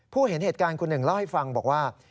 เห็นเหตุการณ์คุณหนึ่งเล่าให้ฟังบอกว่า